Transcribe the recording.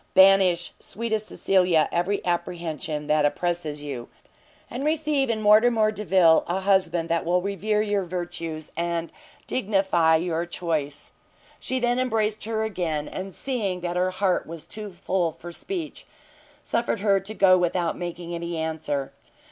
banish, sweetest Cecilia, every apprehension that oppresses you, and receive in Mortimer Delvile a husband that will revere your virtues, and dignify your choice!" She then embraced her again, and seeing that her heart was too full for speech, suffered her to go without making any answer.